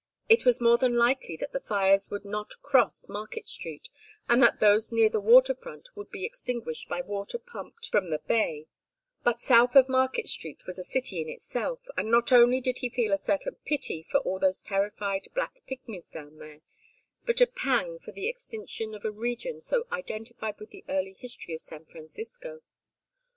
It was more than likely that the fires would not cross Market Street, and that those near the water front would be extinguished by water pumped from the bay; but "South of Market Street" was a city in itself, and not only did he feel a certain pity for all those terrified black pigmies down there, but a pang for the extinction of a region so identified with the early history of San Francisco.